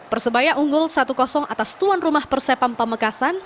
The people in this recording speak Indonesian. persebaya unggul satu atas tuan rumah persepam pamekasan